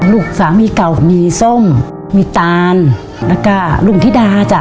ลูกสามีเก่ามีส้มมีตานและลูกธิดา